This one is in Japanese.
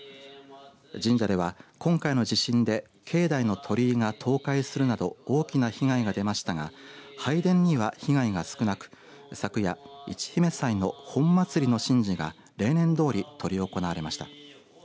神社では今回の地震で境内の鳥居が倒壊するなど大きな被害が出ましたが拝殿には被害が少なく、昨夜市姫祭の本祭の神事が例年どおり執り行われました。